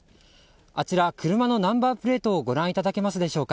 あちら、車のナンバープレートをご覧いただけますでしょうか。